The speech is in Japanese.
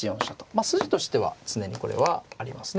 まあ筋としては常にこれはありますね。